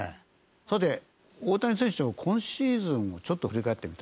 さて大谷選手の今シーズンをちょっと振り返ってみたい。